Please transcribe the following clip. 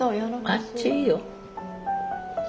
あっちいよ。